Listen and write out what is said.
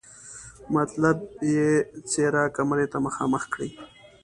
مطلب یې څېره کمرې ته مخامخ کړي.